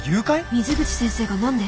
水口先生が何で？